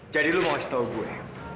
jadi lo mau kasih tau gue